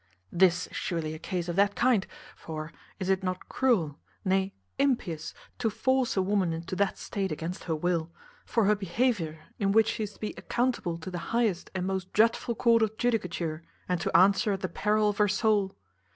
This is surely a case of that kind; for, is it not cruel, nay, impious, to force a woman into that state against her will; for her behaviour in which she is to be accountable to the highest and most dreadful court of judicature, and to answer at the peril of her soul?